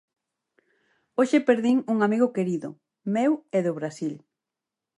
Hoxe perdín un amigo querido, meu e do Brasil.